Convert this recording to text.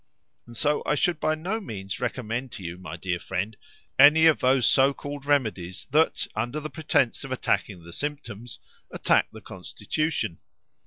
And so I should by no means recommend to you, my dear friend, any of those so called remedies that, under the pretence of attacking the symptoms, attack the constitution.